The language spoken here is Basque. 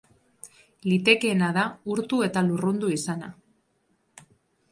Litekeena da urtu eta lurrundu izana.